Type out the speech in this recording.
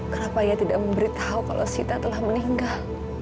kenapa ia tidak memberitahu kalau sita telah meninggal